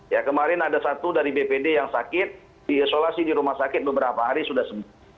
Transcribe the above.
ya kemarin ada satu dari bpd yang sakit diisolasi di rumah sakit beberapa hari sudah sembuh